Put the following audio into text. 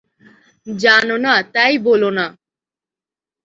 জান না তাই বলো-না।